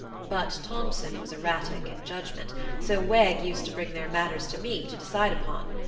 But Thompson was erratic in judgment, so Wegg used to bring their matters to me to decide upon.